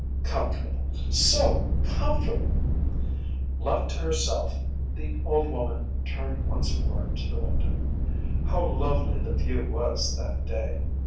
‚ÄĚ So comfortable so comfortable! Left to herself the old woman turned once more to the window. How lovely the view was that day!